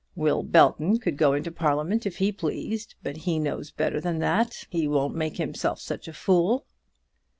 Will Belton could go into Parliament if he pleased, but he knows better than that. He won't make himself such a fool."